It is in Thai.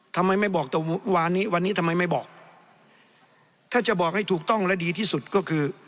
ทำไมไม่บอกแต่วานนี้วันนี้ทำไมไม่บอกถ้าจะบอกให้ถูกต้องและดีที่สุดก็คือ